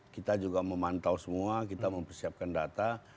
kita juga memantau semua kita mempersiapkan data